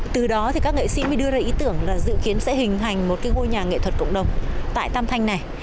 từ đó thì các nghệ sĩ mới đưa ra ý tưởng là dự kiến sẽ hình thành một cái ngôi nhà nghệ thuật cộng đồng tại tam thanh này